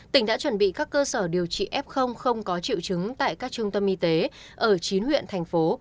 tỉnh đã chuẩn bị các cơ sở điều trị f không có triệu chứng tại các trung tâm y tế ở chín huyện thành phố